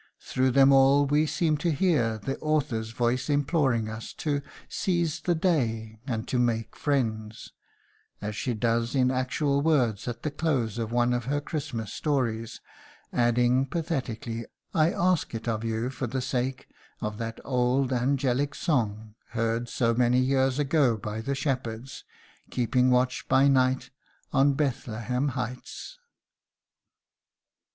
Through them all we seem to hear the author's voice imploring us to "seize the day" and to "make friends," as she does in actual words at the close of one of her Christmas stories, adding pathetically: "I ask it of you for the sake of that old angelic song, heard so many years ago by the shepherds, keeping watch by night on Bethlehem Heights."